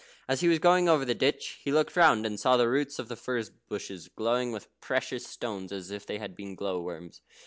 As he was going over the ditch, he looked round, and saw the roots of the furze bushes glowing with precious stones as if they had been glow worms.